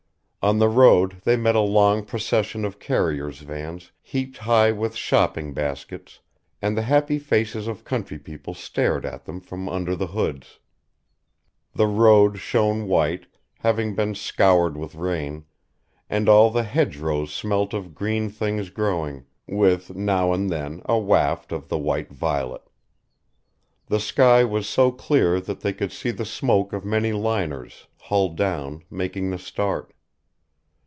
On the road they met a long procession of carriers' vans heaped high with shopping baskets, and the happy faces of country people stared at them from under the hoods. The road shone white, having been scoured with rain, and all the hedgerows smelt of green things growing, with now and then a waft of the white violet. The sky was so clear that they could see the smoke of many liners, hull down, making the Start.